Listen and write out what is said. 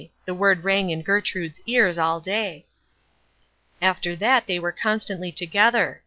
The word rang in Gertrude's ears all day. After that they were constantly together.